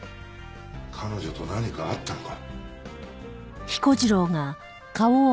彼女と何かあったのか？